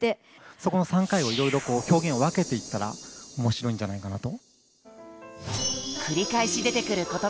そこの３回をいろいろこう表現をわけていったら面白いんじゃないかなと。